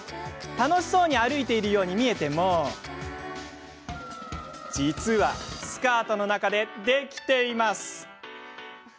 楽しそうに歩いているように見えても実はスカートの中でできています。